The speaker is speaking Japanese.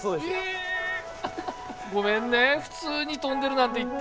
ごめんね普通に飛んでるなんて言って。